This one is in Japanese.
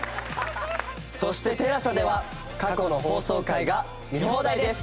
そしてＴＥＬＡＳＡでは過去の放送回が見放題です！